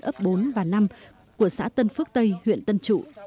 ấp bốn và năm của xã tân phước tây huyện tân trụ